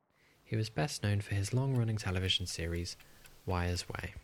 He was best known for his long-running television series "Weir's Way".